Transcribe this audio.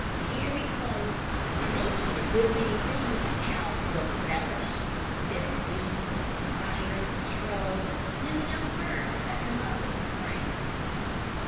"Very close, and they eat a good many things that cows don't relish bitter weeds, and briars, and shrubs, and the young ferns that come up in the spring."